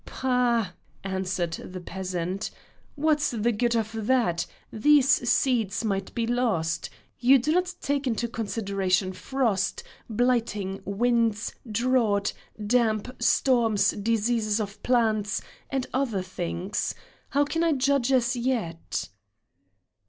"Bah," answered the peasant, "what's the good of that? These seeds might be lost. You do not take into consideration frost, blighting winds, drought, damp, storms, diseases of plants, and other things. How can I judge as yet?"